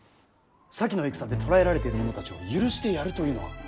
先の戦で捕らえられている者たちを許してやるというのは。